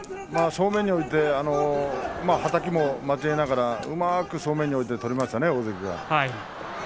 正面に置いてはたきも交えながらうまく正面に置いて取りましたね、大関は。